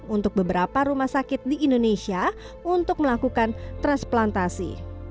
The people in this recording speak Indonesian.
untuk beberapa rumah sakit di indonesia untuk melakukan transplantasi